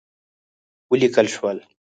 وليکل شول: